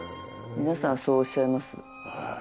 皆さんそうおっしゃいます。